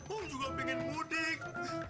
om juga bikin mudik